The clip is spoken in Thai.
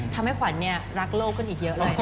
ทำให้ขวัญรักโลกขึ้นอีกเยอะเลย